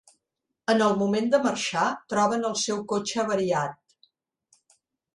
En el moment de marxar, troben el seu cotxe avariat.